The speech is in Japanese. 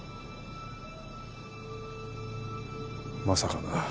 まさかな。